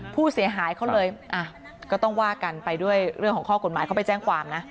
ผู้เสียหายเขาเลยก็ต้องว่ากันไปด้วยเรื่องของข้อกฎหมายเขาไปแจ้งความนะ